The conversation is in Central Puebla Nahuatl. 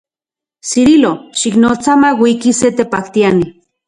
Cirilo, xiknotsa mauiki se tepajtiani.